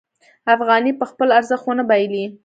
افغانۍ به خپل ارزښت ونه بایلي.